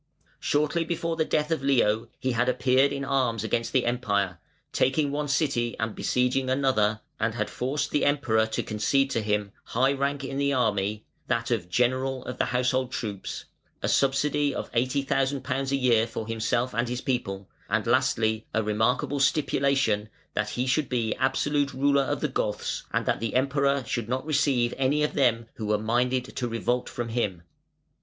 Shortly before the death of Leo he had appeared in arms against the Empire, taking one city and besieging another, and had forced the Emperor to concede to him high rank in the army (that of General of the Household Troops,) a subsidy of; £80,000 a year for himself and his people, and lastly a remarkable stipulation, "that he should be absolute ruler of the Goths, and that the Emperor should not receive any of them who were minded to revolt from him".